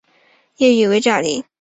粤语为炸厘。